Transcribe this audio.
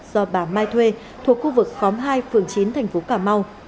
do bà mai thuê thuộc khu vực khóm hai phường chín tp cà mau